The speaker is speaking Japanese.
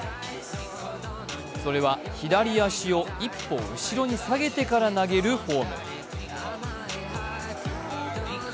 それは左足を一方後ろに下げてから投げるフォーム。